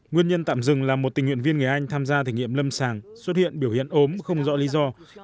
nguyên nhân tạm dừng là một tình nguyện viên người anh tham gia thử nghiệm lâm sàng xuất hiện biểu hiện ốm không rõ lý do